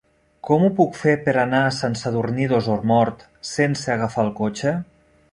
Com ho puc fer per anar a Sant Sadurní d'Osormort sense agafar el cotxe?